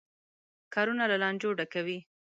کارونه له لانجو ډکوي.